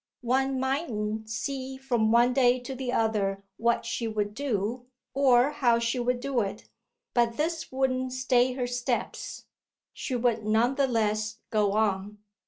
One mightn't see from one day to the other what she would do or how she would do it, but this wouldn't stay her steps she would none the less go on.